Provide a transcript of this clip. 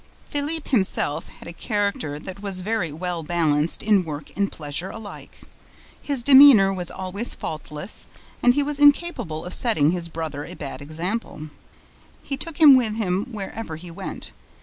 Philippe himself had a character that was very well balanced in work and pleasure alike; his demeanor was always faultless; and he was incapable of setting his brother a bad example. He took him with him wherever he went.